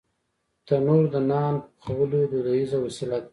تنور د نان پخولو دودیزه وسیله ده